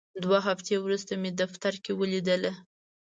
دوه هفتې وروسته مې دفتر کې ولیدله.